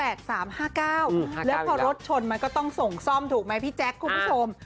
แล้วพอรถชนมันก็ต้องส่งซ่อมถูกไหมพี่แจ๊คคุณผู้ชม